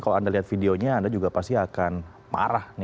kalau anda lihat videonya anda juga pasti akan marah